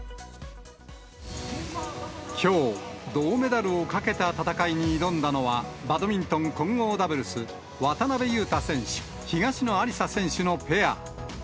きょう、銅メダルを懸けた戦いに挑んだのは、バドミントン混合ダブルス、渡辺勇大選手・東野有紗選手のペア。